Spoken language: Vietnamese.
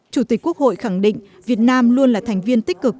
chủ tịch quốc hội khẳng định việt nam luôn là thành viên tích cực